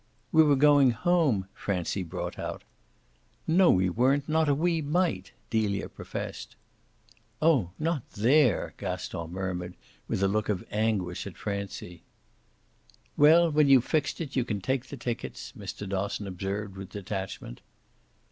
"We were going home," Francie brought out. "No we weren't not a wee mite!" Delia professed. "Oh not THERE" Gaston murmured, with a look of anguish at Francie. "Well, when you've fixed it you can take the tickets," Mr. Dosson observed with detachment.